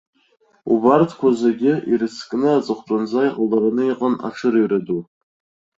Убарҭқәа зегьы ирыцкны аҵыхәтәанӡа иҟалараны иҟан аҽырыҩра ду.